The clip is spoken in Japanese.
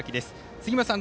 杉本さん